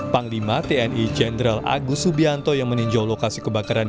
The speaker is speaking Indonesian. panglima tni jenderal agus subianto yang meninjau lokasi kebakaran